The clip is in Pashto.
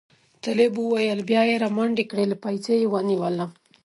طالب وویل بیا یې را منډې کړې له پایڅې یې ونیولم.